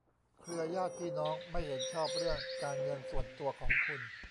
เครือญาติพี่น้องไม่เห็นชอบเรื่องการเงินส่วนตัวของคุณ